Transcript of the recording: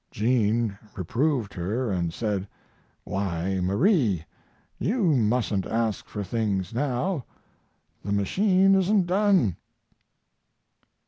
Jean reproved her and said, "Why, Marie, you mustn't ask for things now. The machine isn't done."